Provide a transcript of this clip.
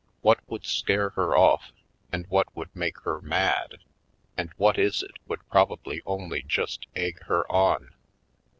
What would scare her off and what would make her mad, and what is it would probably only just egg her on?